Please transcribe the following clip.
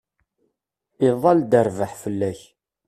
Iḍall-d rrbeḥ fell-ak.